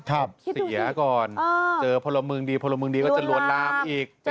ครับเสียก่อนเจอพระลำมึงดีก็จะลวนล้ำอีกลวนล้ำ